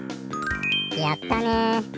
やったね。